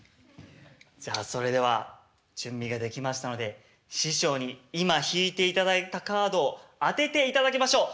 じゃあそれでは準備ができましたので師匠に今引いていただいたカードを当てていただきましょう！